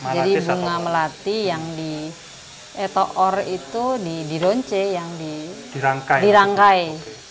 jadi bunga melati yang di eto or itu di ronce yang di rangkai